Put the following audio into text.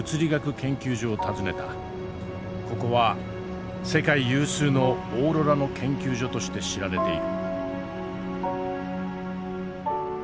ここは世界有数のオーロラの研究所として知られている。